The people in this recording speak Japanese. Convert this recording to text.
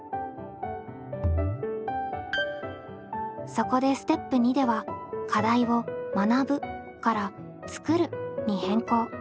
そこでステップ２では課題を「学ぶ」から「作る」に変更。